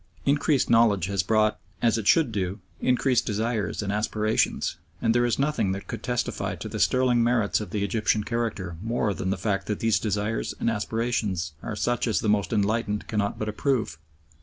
Increased knowledge has brought, as it should do, increased desires and aspirations, and there is nothing that could testify to the sterling merits of the Egyptian character more than the fact that these desires and aspirations are such as the most enlightened cannot but approve.